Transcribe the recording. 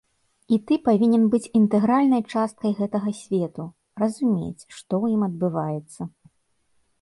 І ты павінен быць інтэгральнай часткай гэтага свету, разумець, што ў ім адбываецца.